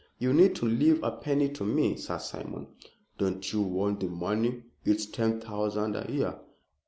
"You need not leave a penny to me, Sir Simon." "Don't you want the money? It's ten thousand a year."